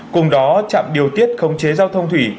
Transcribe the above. cùng đó trạm điều tiết khống chế giao thông thủy